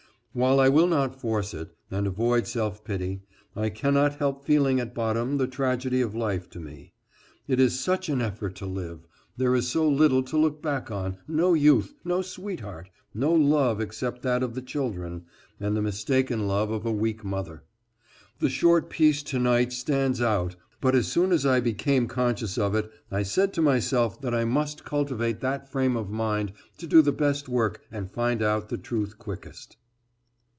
While I will not force it, and avoid self pity, I cannot help feeling at bottom the tragedy of life to me. It is such an effort to live, there is so little to look back on, no youth, no sweetheart, no love except that of the children, and the mistaken love of a weak mother. The short peace to night stands out but as soon as I became conscious of it I said to myself that I must cultivate that frame of mind to do the best work and find out the truth quickest.